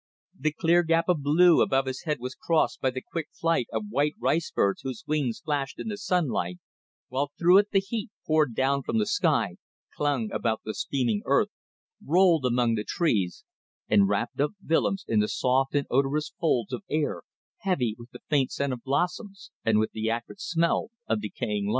The clear gap of blue above his head was crossed by the quick flight of white rice birds whose wings flashed in the sunlight, while through it the heat poured down from the sky, clung about the steaming earth, rolled among the trees, and wrapped up Willems in the soft and odorous folds of air heavy with the faint scent of blossoms and with the acrid smell of decaying life.